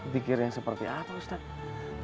pikir yang seperti apa ustadz